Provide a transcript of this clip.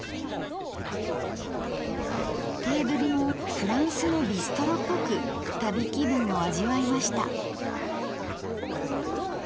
テーブルもフランスのビストロっぽく旅気分を味わいました。